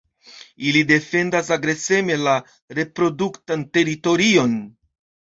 Ili defendas agreseme la reproduktan teritorion.